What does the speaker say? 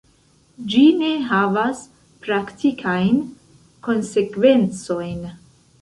Ĝi ne havas praktikajn konsekvencojn.